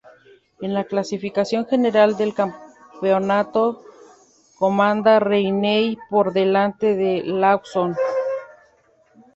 En la clasificación general del campeonato comanda Rainey por delante de Lawson.